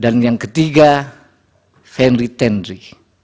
dan yang ketiga fenri tendri